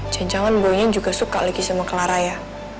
jangan jangan bawanya juga suka lagi sama clara ya